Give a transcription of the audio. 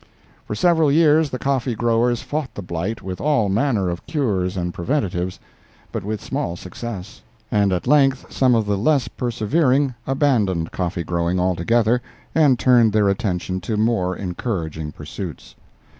For several years the coffee growers fought the blight with all manner of cures and preventives, but with small success, and at length some of the less persevering abandoned coffee growing altogether and turned their attention to more encouraging pursuits.